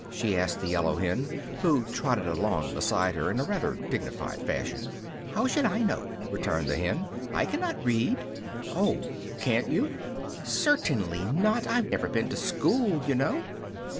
she asked the yellow hen, who trotted along beside her in a rather dignified fashion. "How should I know?" returned the hen. "I cannot read." "Oh! Can't you?" "Certainly not; I've never been to school, you know."